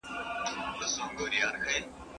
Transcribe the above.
¬ د ټوکي نه پټاکه جوړه سوه.